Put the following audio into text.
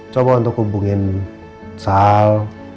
coba untuk hubungin sal